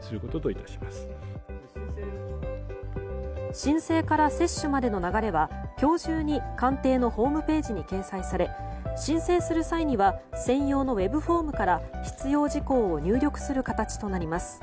申請から接種までの流れは今日中に官邸のホームページに掲載され申請する際には専用のウェブホームから必要事項を入力する形となります。